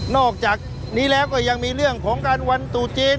อกจากนี้แล้วก็ยังมีเรื่องของการวันตู่จีน